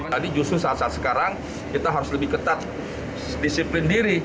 jadi justru saat saat sekarang kita harus lebih ketat disiplin diri